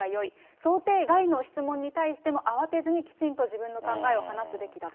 想定外の質問に対しても、慌てずにきちんと自分の考えを話すべきだと。